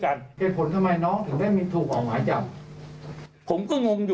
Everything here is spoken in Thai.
เหตุผลทำไมน้องถึงได้มีถูกออกหมายจับผมก็งงอยู่